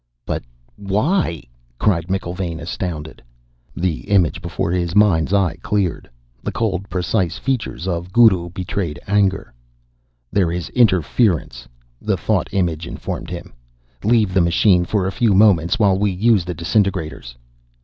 "But, why?" cried McIlvaine, astounded. The image before his mind's eye cleared. The cold, precise features of Guru betrayed anger. "There is interference," the thought image informed him. "Leave the machine for a few moments, while we use the disintegrators."